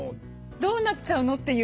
「どうなっちゃうの？」っていう